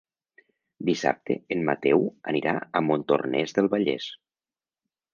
Dissabte en Mateu anirà a Montornès del Vallès.